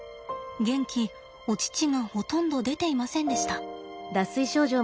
ゲンキお乳がほとんど出ていませんでした。